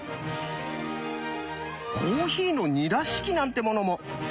コーヒーの煮出し器なんてものも。